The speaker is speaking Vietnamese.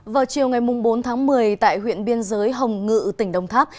vào chiều ngày bốn tháng một mươi tại huyện biên giới hồng ngự tỉnh đông tháp